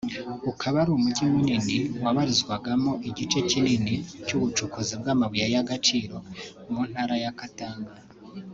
ukaba ari umujyi wabarizwagamo igice kinini cy’ubucukuzi bw’amabuye y’agaciro mu ntara ya Katanga